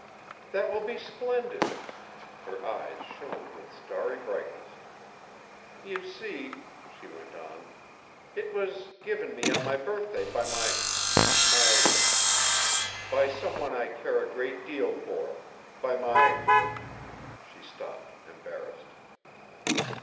"That will be splendid!" Her eyes shone with starry brightness. "You see," she went on, "it was given me on my birthday by my my by some one I care a great deal for by my " she stopped, embarrassed.